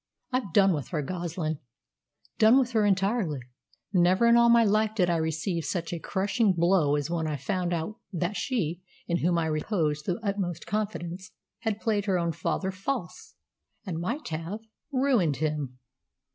I've done with her, Goslin done with her entirely. Never in all my life did I receive such a crushing blow as when I found that she, in whom I reposed the utmost confidence, had played her own father false, and might have ruined him!"